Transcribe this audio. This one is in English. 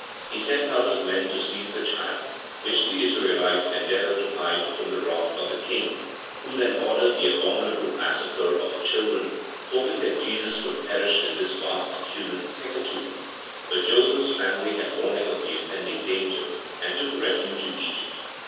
He sent out his men to seize the child, which the Israelites endeavored to hide from the wrath of the king, who then ordered the abominable massacre of the children, hoping that Jesus would perish in this vast human hecatomb. But Joseph's family had warning of the impending danger, and took refuge in Egypt.